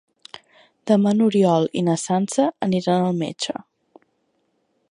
Demà n'Oriol i na Sança aniran al metge.